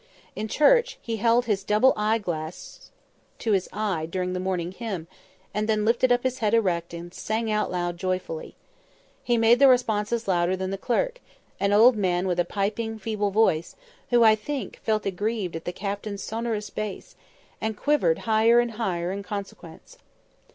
In church, he held his double eye glass to his eyes during the Morning Hymn, and then lifted up his head erect and sang out loud and joyfully. He made the responses louder than the clerk—an old man with a piping feeble voice, who, I think, felt aggrieved at the Captain's sonorous bass, and quivered higher and higher in consequence.